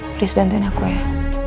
please bantuin aku ya